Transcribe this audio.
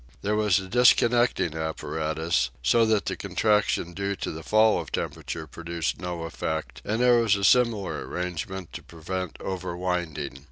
There was a dis connecting apparatus, so that the contraction due to a fall of temperature produced no effect, and there was a similar arrangement to prevent overwinding.